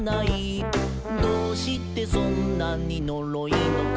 「どうしてそんなにノロいのか」